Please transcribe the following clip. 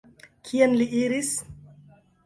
Kien li iris?